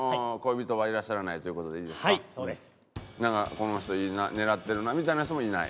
なんかこの人いいな狙ってるなみたいな人もいない？